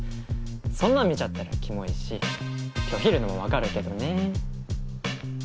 そんなん見ちゃったらキモいし拒否るのも分かるけどね。